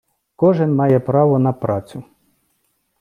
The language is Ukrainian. Кожен має право на працю